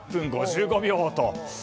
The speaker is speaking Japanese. ８分５５秒と。